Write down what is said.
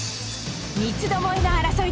三つどもえの争いです。